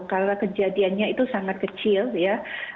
karena kejadiannya itu sangat kecil ya